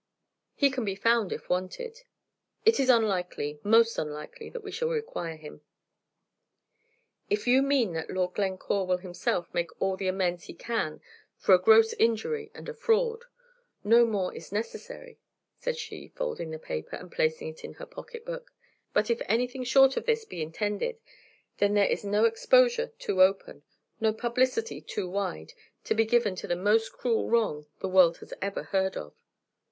He can be found, if wanted." "It is unlikely most unlikely that we shall require him." "If you mean that Lord Glencore will himself make all the amends he can for a gross injury and a fraud, no more is necessary," said she, folding the paper, and placing it in her pocket book; "but if anything short of this be intended, then there is no exposure too open, no publicity too wide, to be given to the most cruel wrong the world has ever heard of."